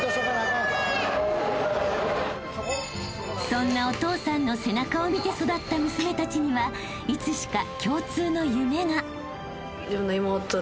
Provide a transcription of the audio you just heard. ［そんなお父さんの背中を見て育った娘たちにはいつしか］